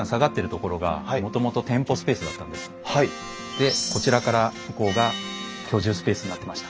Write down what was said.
でこちらから向こうが居住スペースになってました。